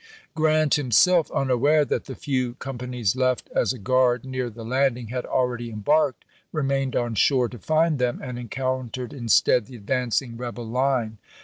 Grant himself, unaware that the few companies left as a guard near the landing had already embarked, remained on shore to find them, and encountered instead the advancing rebel line.